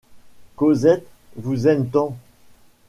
Cosette vous aime tant !